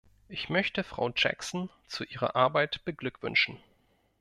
Ich möchte Frau Jackson zu ihrer Arbeit beglückwünschen.